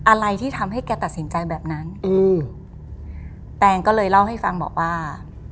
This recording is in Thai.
อะไรที่ทำให้แกตัดสินใจแบบนั้นอืมแตงก็เลยเล่าให้ฟังบอกว่า